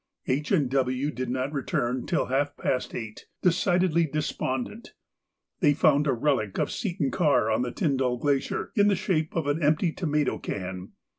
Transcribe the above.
H. and W. did not return till half past eight, decidedly despondent. They found a relic of Seton Karr on the Tyndall Glacier in the shape of an empty tomato can.